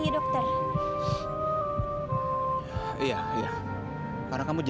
dokter gak apa apa